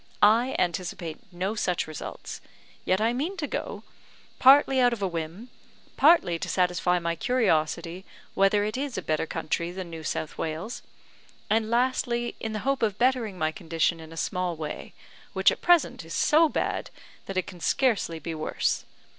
I anticipate no such results; yet I mean to go, partly out of a whim, partly to satisfy my curiosity whether it is a better country than New South Wales; and lastly, in the hope of bettering my condition in a small way, which at present is so bad that it can scarcely be worse.